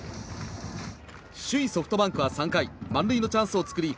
首位ソフトバンクは３回満塁のチャンスを作り